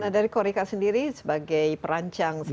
nah dari korika sendiri sebagai perancang strategi